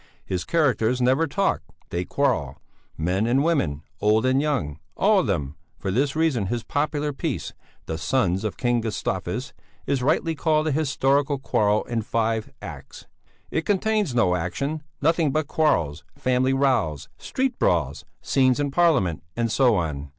His characters never talk, they quarrel; men and women, old and young, all of them; for this reason his popular piece, The Sons of King Gustavus, is rightly called a historical quarrel in five acts; it contains no action, nothing but quarrels: family rows, street brawls, scenes in Parliament, and so on.